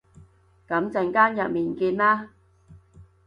噉陣間入面見啦